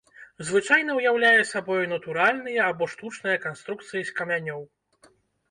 Звычайна ўяўляе сабою натуральныя або штучныя канструкцыі з камянёў.